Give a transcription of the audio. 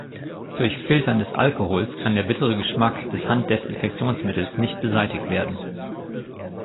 Durch Filtern des Alkohols kann der bittere Geschmack des Handdesinfektionsmittels nicht beseitigt werden.